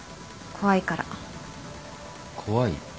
怖い？